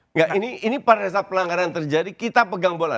enggak ini pada saat pelanggaran terjadi kita pegang bola